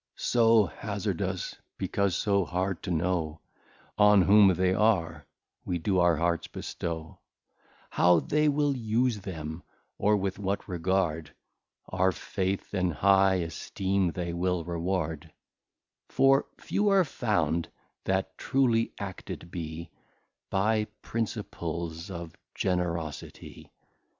So hazardous, because so hard to know On whom they are we do our Hearts bestow; How they will use them, or with what regard Our Faith and high Esteem they will reward: For few are found, that truly acted be By Principles of Generosity.